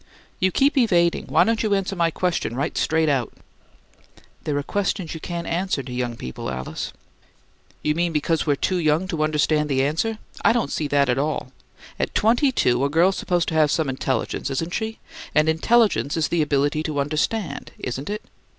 "You keep evading. Why don't you answer my question right straight out?" "There are questions you can't answer to young people, Alice." "You mean because we're too young to understand the answer? I don't see that at all. At twenty two a girl's supposed to have some intelligence, isn't she? And intelligence is the ability to understand, isn't it?